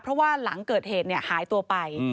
เพราะว่าหลังเกิดเหตุหายตัวไป